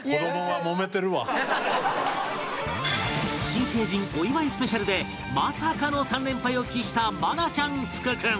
新成人お祝いスペシャルでまさかの３連敗を喫した愛菜ちゃん福君